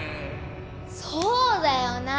そうだよな！